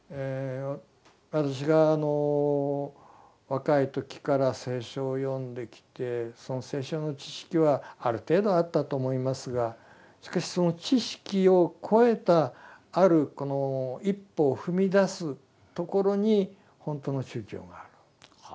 私が若い時から聖書を読んできてその聖書の知識はある程度あったと思いますがしかしその知識を超えたあるこの一歩を踏み出すところにほんとの宗教がある。